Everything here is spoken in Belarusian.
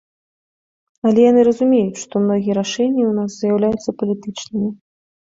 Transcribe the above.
Але яны разумеюць, што многія рашэнні ў нас з'яўляюцца палітычнымі.